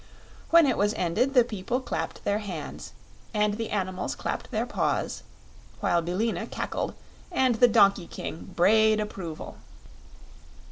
When it was ended, the people clapped their hands and the animals clapped their paws, while Billina cackled and the Donkey King brayed approval.